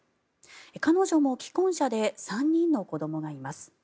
彼女も既婚者で３人の子どもがいます。